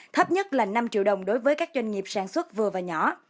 thấp nhất là năm triệu đồng đối với các doanh nghiệp sản xuất vừa và nhỏ